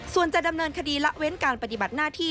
ส่วนจะดำเนินคดีละเว้นการปฏิบัติหน้าที่